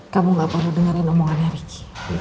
kamu gak perlu dengerin omongannya rich